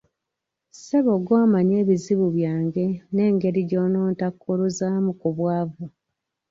Ssebo gw’omanyi ebizibu byange n'engeri gy’ono ontakkuluzaamu ku bwavu.